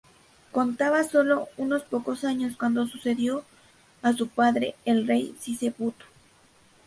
Contaba sólo unos pocos años cuando sucedió a su padre, el rey Sisebuto.